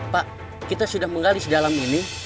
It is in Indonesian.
pak kita sudah menggalis dalam ini